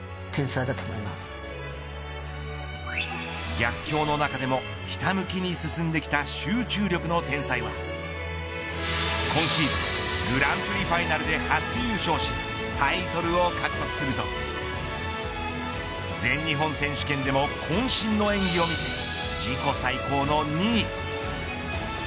逆境の中でもひたむきに進んできた集中力の天才は今シーズングランプリファイナルで初優勝しタイトルを獲得すると全日本選手権でも渾身の演技を見せ自己最高の２位。